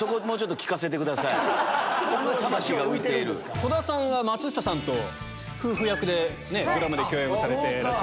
戸田さんは松下さんと夫婦役でドラマで共演をされてました。